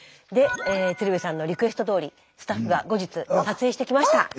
で鶴瓶さんのリクエストどおりスタッフが後日撮影してきました！